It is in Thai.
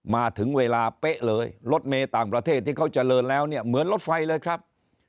มาถึงเวลาเป๊ะเลยรถเมย์ต่างประเทศที่เขาเจริญแล้วเนี่ยเหมือนรถไฟเลยครับ